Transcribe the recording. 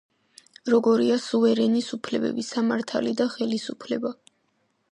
როგორია სუვერენის უფლებები, სამართალი და ხელისუფლება.